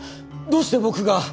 どうして僕が。